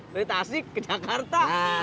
dari tasik ke jakarta